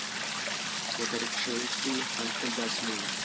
خو تاریخي شواهد ښيي، حالت تل داسې نه وي.